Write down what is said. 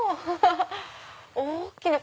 大きな。